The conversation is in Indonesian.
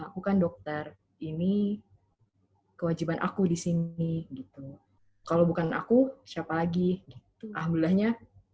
bukan dokter ini kewajiban aku di sini gitu kalau bukan aku siapa lagi alhamdulillahnya